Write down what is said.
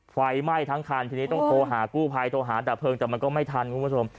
ไฟไหม้ทั้งคันทีนี้ต้องโทรหากู้ภัยโทรหาดับเพลิงแต่มันก็ไม่ทันคุณผู้ชม